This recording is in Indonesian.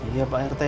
iya pak rete